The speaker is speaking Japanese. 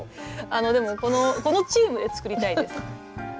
このチームで作りたいです。